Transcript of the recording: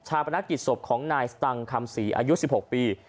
ประนักกิจศพของนายสตังค์คำศรีอายุ๑๖ปี